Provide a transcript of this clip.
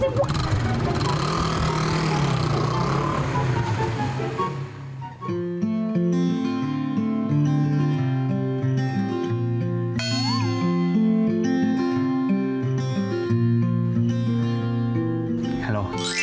ฮัลโหล